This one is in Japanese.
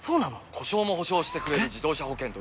故障も補償してくれる自動車保険といえば？